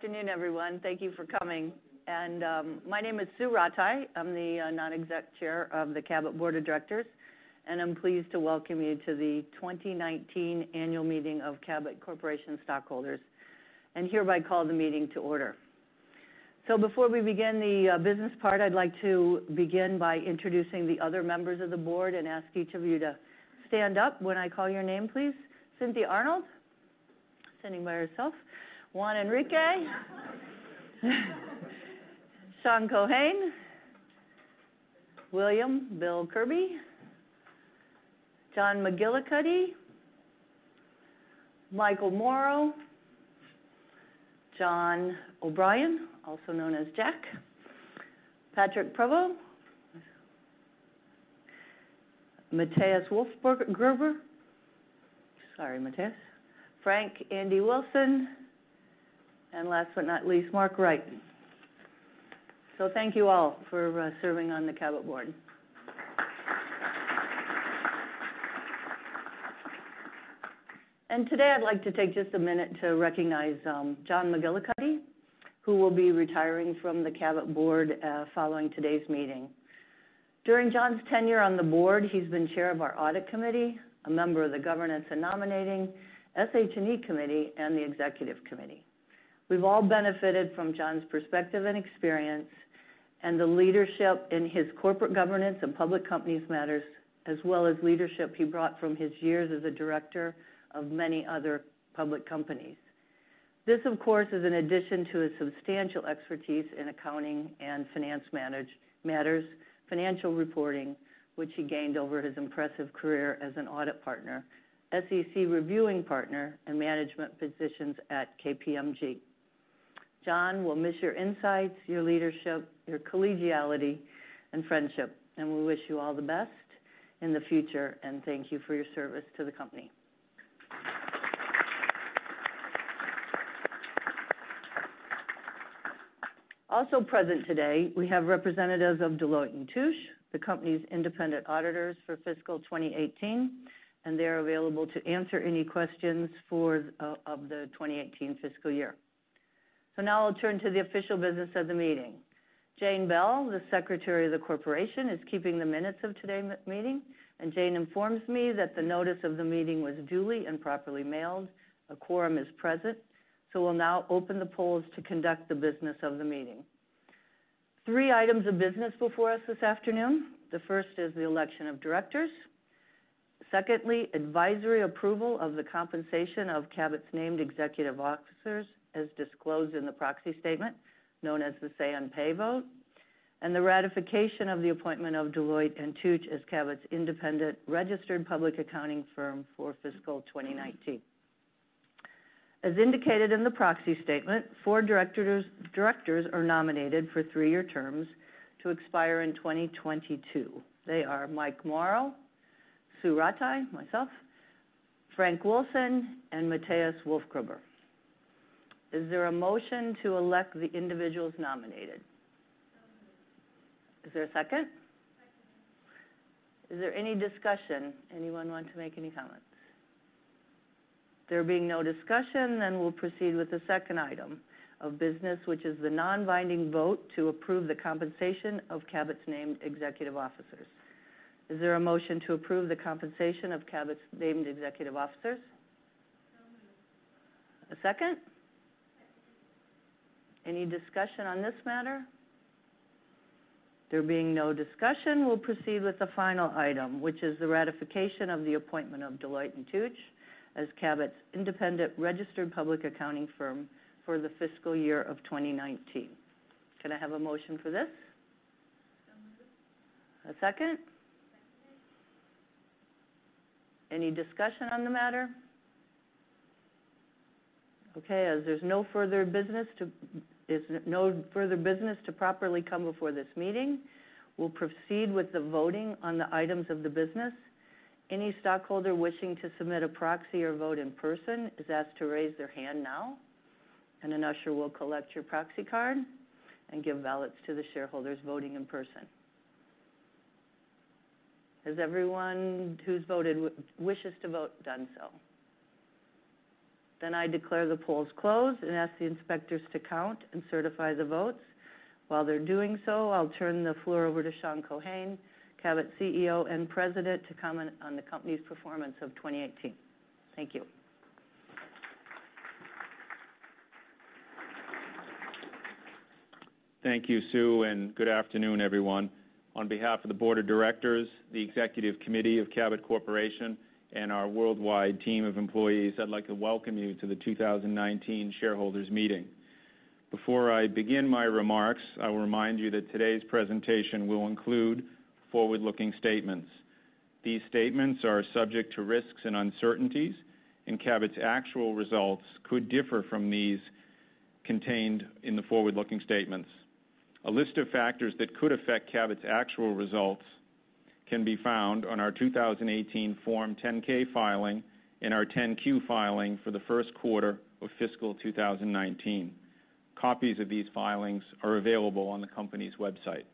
Good afternoon, everyone. Thank you for coming. My name is Sue Rataj. I'm the Non-Executive Chair of the Cabot Board of Directors, and I'm pleased to welcome you to the 2019 annual meeting of Cabot Corporation stockholders and hereby call the meeting to order. Before we begin the business part, I'd like to begin by introducing the other members of the board and ask each of you to stand up when I call your name, please. Cynthia Arnold, standing by herself. Juan Enriquez. Sean Keohane. William Bill Kirby. John McGillicuddy. Michael Morrow. John O'Brien, also known as Jack. Patrick Prevost. Matthias Wolfgruber. Sorry, Matthias. Frank Andy Wilson, and last but not least, Mark Wright. Thank you all for serving on the Cabot board. Today I'd like to take just a minute to recognize John McGillicuddy, who will be retiring from the Cabot board following today's meeting. During John's tenure on the board, he's been Chair of our Audit Committee, a member of the Governance and Nominating SH&E Committee, and the Executive Committee. We've all benefited from John's perspective and experience and the leadership in his corporate governance and public companies matters, as well as leadership he brought from his years as a director of many other public companies. This, of course, is in addition to his substantial expertise in accounting and finance matters, financial reporting, which he gained over his impressive career as an Audit Partner, SEC Reviewing Partner, and management positions at KPMG. John, we'll miss your insights, your leadership, your collegiality, and friendship. We wish you all the best in the future and thank you for your service to the company. Also present today, we have representatives of Deloitte & Touche, the company's independent auditors for fiscal 2018, and they're available to answer any questions of the 2018 fiscal year. Now I'll turn to the official business of the meeting. Jane Bell, the Secretary of the Corporation, is keeping the minutes of today meeting. Jane informs me that the notice of the meeting was duly and properly mailed. A quorum is present. We'll now open the polls to conduct the business of the meeting. Three items of business before us this afternoon. The first is the election of directors. Secondly, advisory approval of the compensation of Cabot's named executive officers as disclosed in the proxy statement, known as the Say on Pay vote. The ratification of the appointment of Deloitte & Touche as Cabot's independent registered public accounting firm for fiscal 2019. As indicated in the proxy statement, four directors are nominated for three-year terms to expire in 2022. They are Mike Morrow, Sue Rataj, myself, Frank Wilson, and Matthias Wolfgruber. Is there a motion to elect the individuals nominated? Moved. Is there a second? Second. Is there any discussion? Anyone want to make any comments? There being no discussion, we'll proceed with the second item of business, which is the non-binding vote to approve the compensation of Cabot's named executive officers. Is there a motion to approve the compensation of Cabot's named executive officers? Moved. A second? Second. Any discussion on this matter? There being no discussion, we'll proceed with the final item, which is the ratification of the appointment of Deloitte & Touche as Cabot's independent registered public accounting firm for the fiscal year of 2019. Can I have a motion for this? Moved. A second? Second. Any discussion on the matter? Okay, as there's no further business to properly come before this meeting, we'll proceed with the voting on the items of the business. Any stockholder wishing to submit a proxy or vote in person is asked to raise their hand now, and an usher will collect your proxy card and give ballots to the shareholders voting in person. Has everyone who wishes to vote done so? I declare the polls closed and ask the inspectors to count and certify the votes. While they're doing so, I'll turn the floor over to Sean Keohane, Cabot's CEO and President, to comment on the company's performance of 2018. Thank you. Thank you, Sue, good afternoon, everyone. On behalf of the board of directors, the executive committee of Cabot Corporation, and our worldwide team of employees, I'd like to welcome you to the 2019 shareholders meeting. Before I begin my remarks, I will remind you that today's presentation will include forward-looking statements. These statements are subject to risks and uncertainties, and Cabot's actual results could differ from these contained in the forward-looking statements. A list of factors that could affect Cabot's actual results can be found on our 2018 Form 10-K filing and our 10-Q filing for the first quarter of fiscal 2019. Copies of these filings are available on the company's website.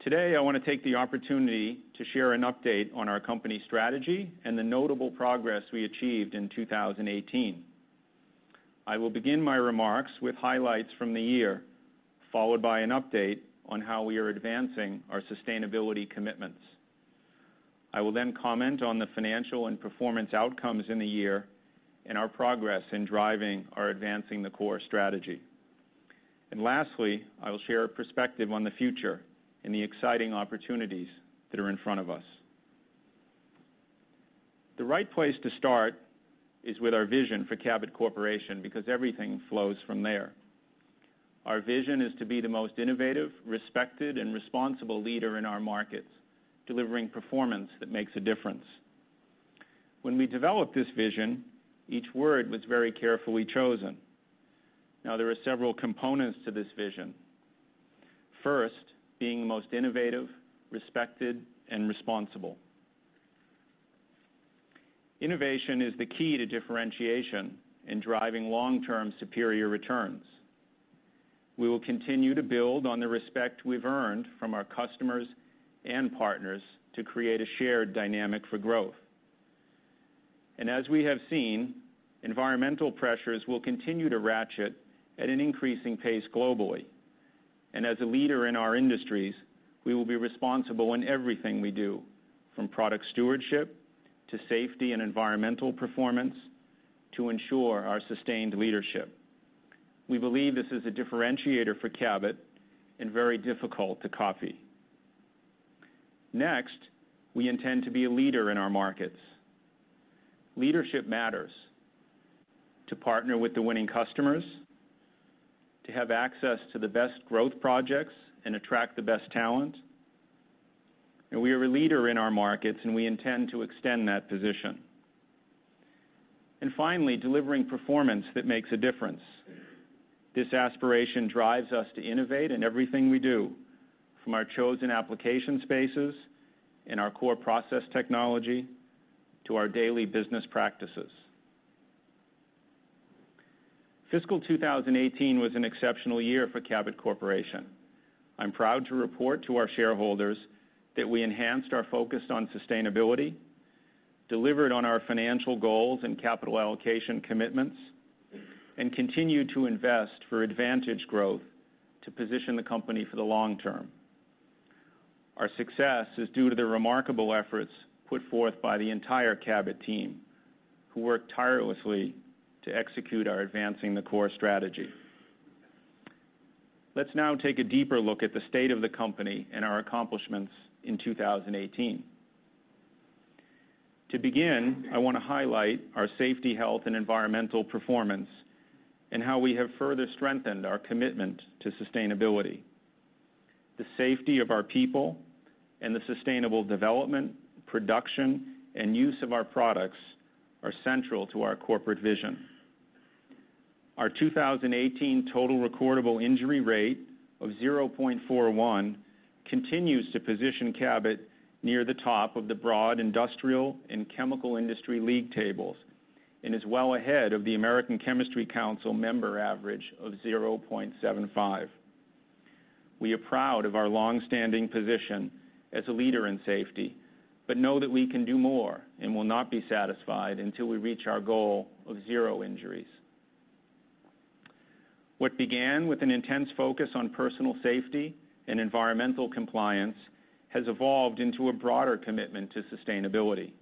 Today, I want to take the opportunity to share an update on our company strategy and the notable progress we achieved in 2018. I will begin my remarks with highlights from the year, followed by an update on how we are advancing our sustainability commitments. I will comment on the financial and performance outcomes in the year and our progress in driving our Advancing the Core strategy. Lastly, I will share a perspective on the future and the exciting opportunities that are in front of us. The right place to start is with our vision for Cabot Corporation, because everything flows from there. Our vision is to be the most innovative, respected, and responsible leader in our markets, delivering performance that makes a difference. When we developed this vision, each word was very carefully chosen. Now, there are several components to this vision. First, being the most innovative, respected, and responsible. Innovation is the key to differentiation in driving long-term superior returns. We will continue to build on the respect we've earned from our customers and partners to create a shared dynamic for growth. As we have seen, environmental pressures will continue to ratchet at an increasing pace globally, and as a leader in our industries, we will be responsible in everything we do, from product stewardship to safety and environmental performance to ensure our sustained leadership. We believe this is a differentiator for Cabot and very difficult to copy. Next, we intend to be a leader in our markets. Leadership matters to partner with the winning customers, to have access to the best growth projects and attract the best talent. We are a leader in our markets, and we intend to extend that position. Finally, delivering performance that makes a difference. This aspiration drives us to innovate in everything we do, from our chosen application spaces and our core process technology to our daily business practices. Fiscal 2018 was an exceptional year for Cabot Corporation. I'm proud to report to our shareholders that we enhanced our focus on sustainability, delivered on our financial goals and capital allocation commitments, and continued to invest for advantage growth to position the company for the long term. Our success is due to the remarkable efforts put forth by the entire Cabot team, who work tirelessly to execute our Advancing the Core strategy. Let's now take a deeper look at the state of the company and our accomplishments in 2018. To begin, I want to highlight our safety, health, and environmental performance and how we have further strengthened our commitment to sustainability. The safety of our people and the sustainable development, production, and use of our products are central to our corporate vision. Our 2018 total recordable injury rate of 0.41 continues to position Cabot near the top of the broad industrial and chemical industry league tables and is well ahead of the American Chemistry Council member average of 0.75. We are proud of our longstanding position as a leader in safety but know that we can do more and will not be satisfied until we reach our goal of zero injuries. What began with an intense focus on personal safety and environmental compliance has evolved into a broader commitment to sustainability.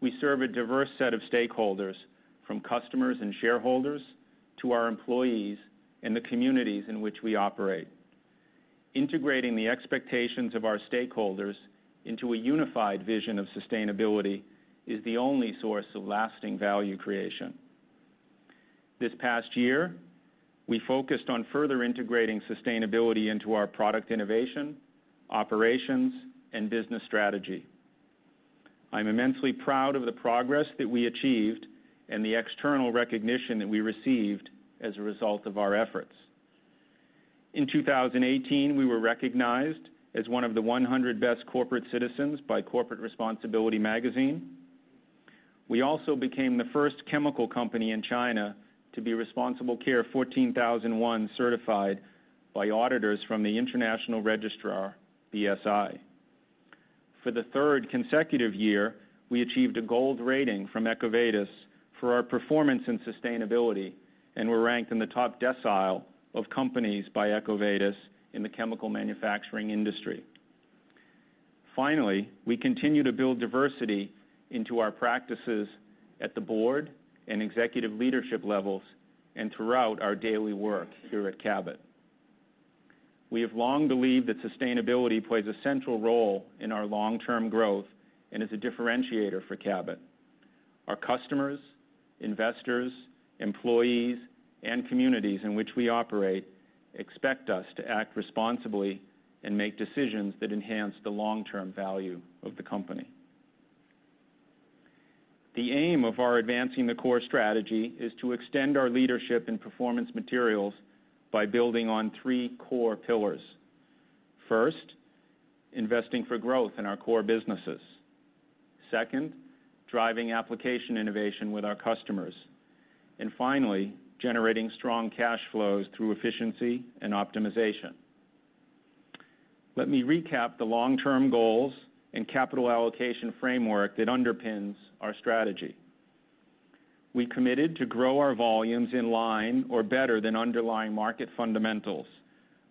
We serve a diverse set of stakeholders, from customers and shareholders to our employees and the communities in which we operate. Integrating the expectations of our stakeholders into a unified vision of sustainability is the only source of lasting value creation. This past year, we focused on further integrating sustainability into our product innovation, operations, and business strategy. I'm immensely proud of the progress that we achieved and the external recognition that we received as a result of our efforts. In 2018, we were recognized as one of the 100 best corporate citizens by Corporate Responsibility Magazine. We also became the first chemical company in China to be Responsible Care 14001 certified by auditors from the international registrar, BSI. For the third consecutive year, we achieved a gold rating from EcoVadis for our performance in sustainability and were ranked in the top decile of companies by EcoVadis in the chemical manufacturing industry. Finally, we continue to build diversity into our practices at the board and executive leadership levels and throughout our daily work here at Cabot. We have long believed that sustainability plays a central role in our long-term growth and is a differentiator for Cabot. Our customers, investors, employees, and communities in which we operate expect us to act responsibly and make decisions that enhance the long-term value of the company. The aim of our Advancing the Core strategy is to extend our leadership in performance materials by building on three core pillars. First, investing for growth in our core businesses. Second, driving application innovation with our customers. Finally, generating strong cash flows through efficiency and optimization. Let me recap the long-term goals and capital allocation framework that underpins our strategy. We committed to grow our volumes in line or better than underlying market fundamentals,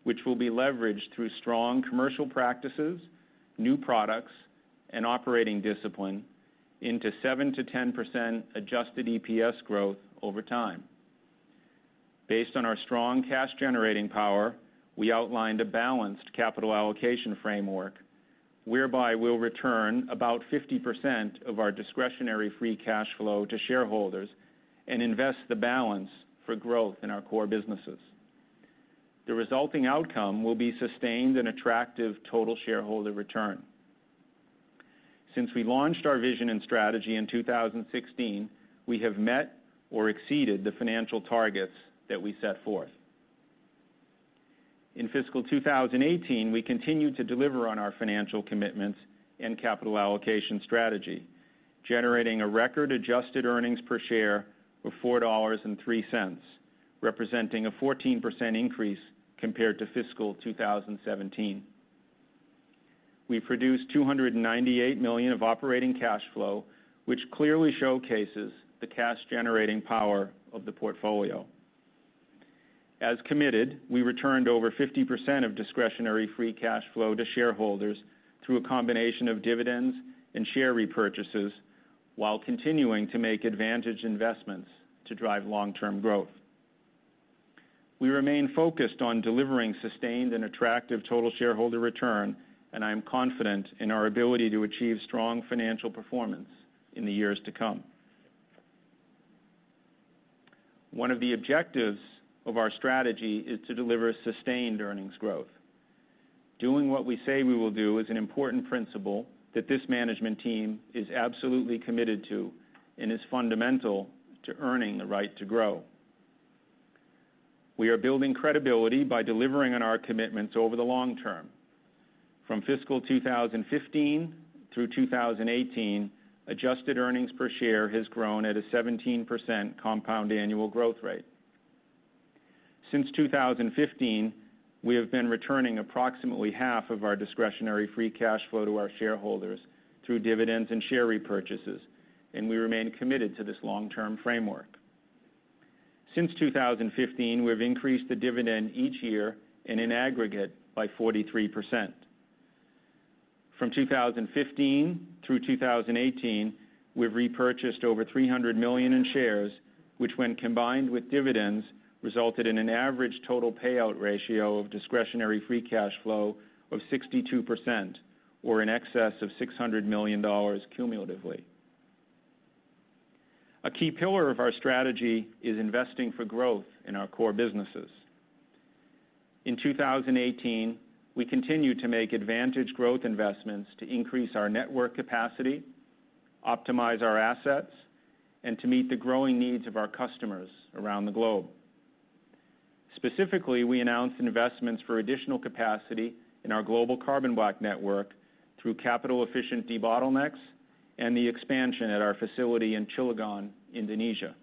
which will be leveraged through strong commercial practices, new products, and operating discipline into 7%-10% adjusted EPS growth over time. Based on our strong cash generating power, we outlined a balanced capital allocation framework, whereby we'll return about 50% of our discretionary free cash flow to shareholders and invest the balance for growth in our core businesses. The resulting outcome will be sustained and attractive total shareholder return. Since we launched our vision and strategy in 2016, we have met or exceeded the financial targets that we set forth. In fiscal 2018, we continued to deliver on our financial commitments and capital allocation strategy, generating a record adjusted earnings per share of $4.03, representing a 14% increase compared to fiscal 2017. We produced $298 million of operating cash flow, which clearly showcases the cash generating power of the portfolio. As committed, we returned over 50% of discretionary free cash flow to shareholders through a combination of dividends and share repurchases while continuing to make advantage investments to drive long-term growth. We remain focused on delivering sustained and attractive total shareholder return, and I am confident in our ability to achieve strong financial performance in the years to come. One of the objectives of our strategy is to deliver sustained earnings growth. Doing what we say we will do is an important principle that this management team is absolutely committed to and is fundamental to earning the right to grow. We are building credibility by delivering on our commitments over the long term. From fiscal 2015 through 2018, adjusted earnings per share has grown at a 17% compound annual growth rate. Since 2015, we have been returning approximately half of our discretionary free cash flow to our shareholders through dividends and share repurchases. We remain committed to this long-term framework. Since 2015, we've increased the dividend each year in an aggregate by 43%. From 2015 through 2018, we've repurchased over $300 million in shares, which when combined with dividends, resulted in an average total payout ratio of discretionary free cash flow of 62%, or in excess of $600 million cumulatively. A key pillar of our strategy is investing for growth in our core businesses. In 2018, we continued to make advantage growth investments to increase our network capacity, optimize our assets, and to meet the growing needs of our customers around the globe. Specifically, we announced investments for additional capacity in our global carbon black network through capital efficient debottlenecks and the expansion at our facility in Cilegon, Indonesia.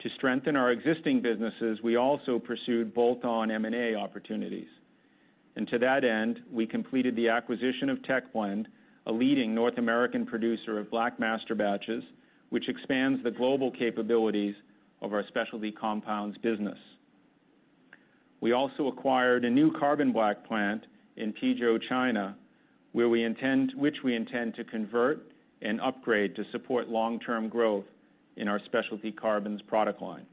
To strengthen our existing businesses, we also pursued bolt-on M&A opportunities. To that end, we completed the acquisition of Tech Blend, a leading North American producer of black masterbatches, which expands the global capabilities of our specialty compounds business. We also acquired a new carbon black plant in Pizhou, China, which we intend to convert and upgrade to support long-term growth in our specialty carbons product line.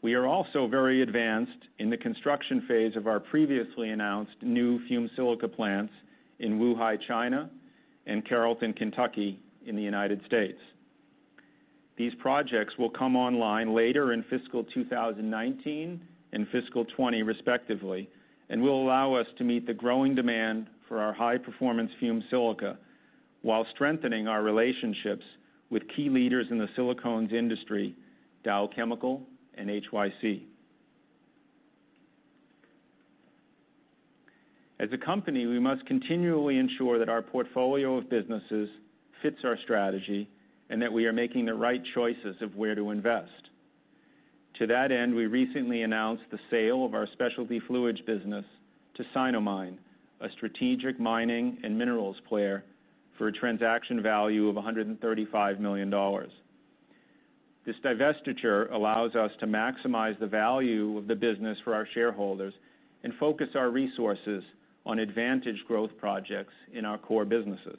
We are also very advanced in the construction phase of our previously announced new fumed silica plants in Wuhai, China, and Carrollton, Kentucky in the U.S. These projects will come online later in fiscal 2019 and fiscal 2020 respectively, and will allow us to meet the growing demand for our high-performance fumed silica while strengthening our relationships with key leaders in the silicones industry, Dow Chemical and HYC. As a company, we must continually ensure that our portfolio of businesses fits our strategy and that we are making the right choices of where to invest. To that end, we recently announced the sale of our specialty fluids business to Sinomine, a strategic mining and minerals player, for a transaction value of $135 million. This divestiture allows us to maximize the value of the business for our shareholders and focus our resources on advantage growth projects in our core businesses.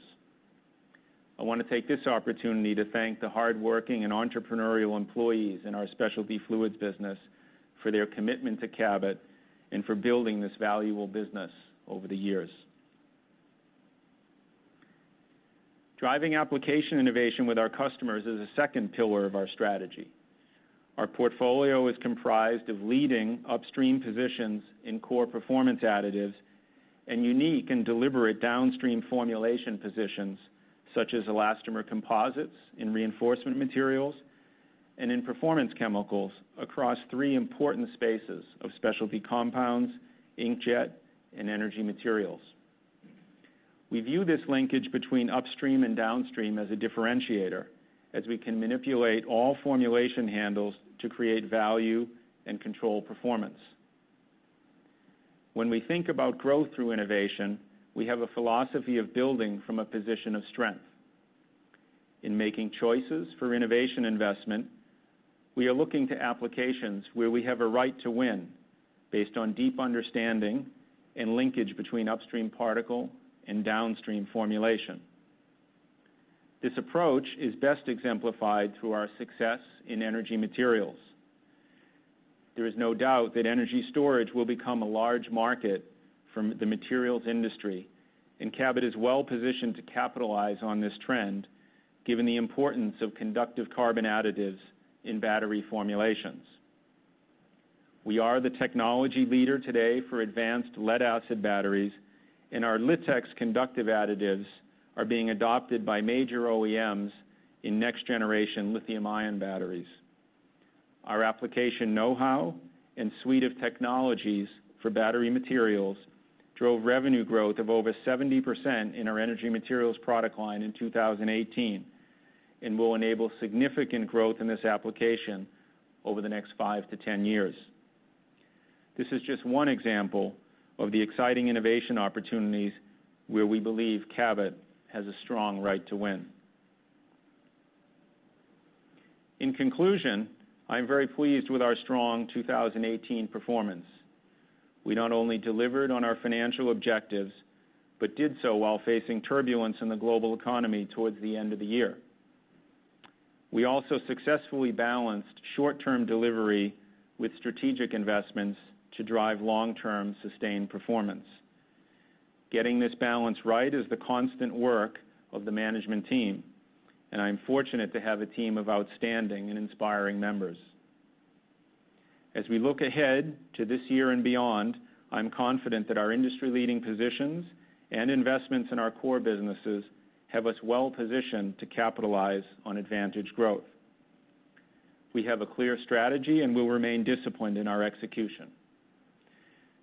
I want to take this opportunity to thank the hardworking and entrepreneurial employees in our specialty fluids business for their commitment to Cabot Corporation and for building this valuable business over the years. Driving application innovation with our customers is a second pillar of our strategy. Our portfolio is comprised of leading upstream positions in core performance additives and unique and deliberate downstream formulation positions, such as elastomer composites in reinforcement materials. And in performance chemicals across three important spaces of specialty compounds, inkjet, and energy materials. We view this linkage between upstream and downstream as a differentiator, as we can manipulate all formulation handles to create value and control performance. When we think about growth through innovation, we have a philosophy of building from a position of strength. In making choices for innovation investment, we are looking to applications where we have a right to win based on deep understanding and linkage between upstream particle and downstream formulation. This approach is best exemplified through our success in energy materials. There is no doubt that energy storage will become a large market for the materials industry, and Cabot Corporation is well-positioned to capitalize on this trend, given the importance of conductive carbon additives in battery formulations. We are the technology leader today for advanced lead-acid batteries, and our LITX conductive additives are being adopted by major OEMs in next-generation lithium-ion batteries. Our application know-how and suite of technologies for battery materials drove revenue growth of over 70% in our energy materials product line in 2018 and will enable significant growth in this application over the next five to 10 years. This is just one example of the exciting innovation opportunities where we believe Cabot Corporation has a strong right to win. In conclusion, I am very pleased with our strong 2018 performance. We not only delivered on our financial objectives, but did so while facing turbulence in the global economy towards the end of the year. We also successfully balanced short-term delivery with strategic investments to drive long-term sustained performance. Getting this balance right is the constant work of the management team, and I'm fortunate to have a team of outstanding and inspiring members. As we look ahead to this year and beyond, I'm confident that our industry-leading positions and investments in our core businesses have us well positioned to capitalize on advantage growth. We have a clear strategy, and we'll remain disciplined in our execution.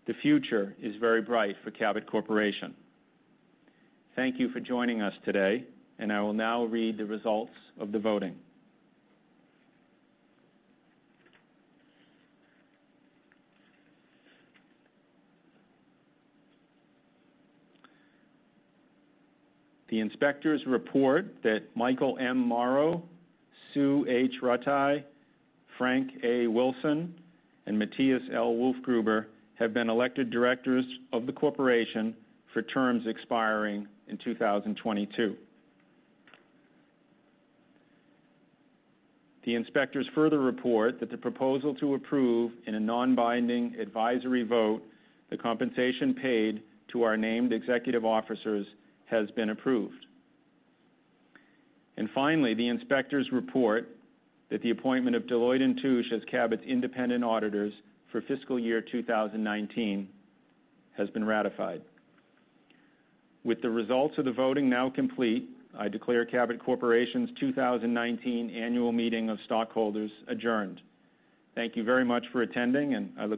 The future is very bright for Cabot Corporation. Thank you for joining us today, and I will now read the results of the voting. The inspectors report that Michael M. Morrow, Sue H. Rataj, Frank A. Wilson, and Matthias L. Wolfgruber have been elected directors of the corporation for terms expiring in 2022. The inspectors further report that the proposal to approve in a non-binding advisory vote the compensation paid to our named executive officers has been approved. Finally, the inspectors report that the appointment of Deloitte & Touche as Cabot's independent auditors for fiscal year 2019 has been ratified. With the results of the voting now complete, I declare Cabot Corporation's 2019 annual meeting of stockholders adjourned. Thank you very much for attending.